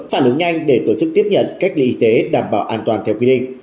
phản ứng nhanh để tổ chức tiếp nhận cách ly y tế đảm bảo an toàn theo quy định